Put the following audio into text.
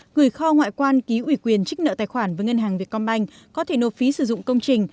gửi kho ngoại quan ký ủy quyền trích nợ tài khoản với ngân hàng việt công banh có thể nộp phí sử dụng công trình